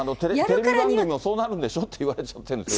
テレビ番組もそうなるんでしょって言われてるんですよね。